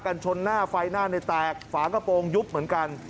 ชนหน้าไฟหน้าในแตกฝากระโปรงยุบเหมือนกัน